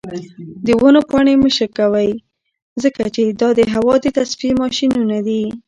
د ونو پاڼې مه شکوئ ځکه چې دا د هوا د تصفیې ماشینونه دي.